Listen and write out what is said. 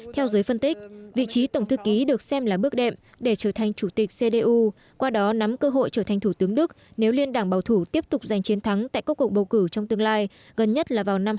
theo giới phân tích vị trí tổng thư ký được xem là bước đệm để trở thành chủ tịch cdu qua đó nắm cơ hội trở thành thủ tướng đức nếu liên đảng bảo thủ tiếp tục giành chiến thắng tại các cuộc bầu cử trong tương lai gần nhất là vào năm hai nghìn hai mươi